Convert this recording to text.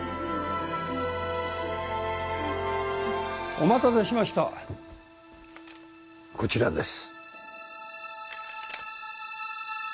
お待たせしましたこちらです